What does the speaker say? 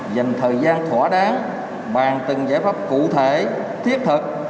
dành thời gian thỏa đáng bàn từng giải pháp cụ thể thiết thực